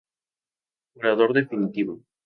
Curador definitivo.